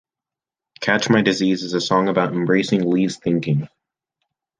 "Catch My Disease" is a song about embracing Lee's thinking.